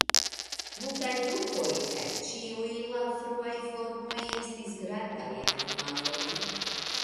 Multaj grupoj, kaj ĉiuj la fruaj formoj, estis grandaj animaloj.